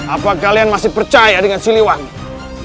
apa kalian masih percaya dengan siliwangi